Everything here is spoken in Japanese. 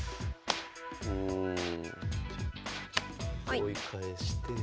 追い返して。